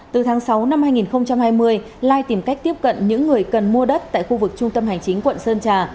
từ tháng sáu năm hai nghìn hai mươi lai tìm cách tiếp cận những người cần mua đất tại khu vực trung tâm hành chính quận sơn trà